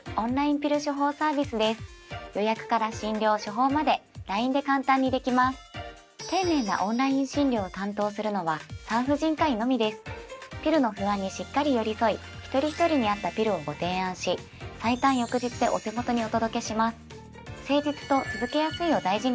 ピルの不安にしっかり寄り添い一人一人に合ったピルをご提案し最短翌日でお手元にお届けします。